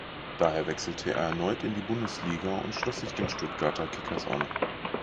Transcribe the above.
Daher wechselte er erneut in die Bundesliga und schloss sich den Stuttgarter Kickers an.